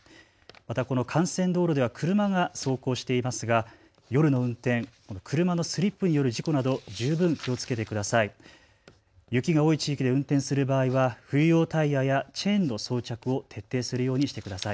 またこの幹線道路では車が走行していますが夜の運転、車のスリップによる事故など十分、気をつけてください。